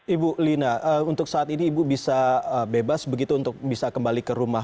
ibu lina untuk saat ini ibu bisa bebas begitu untuk bisa kembali ke rumah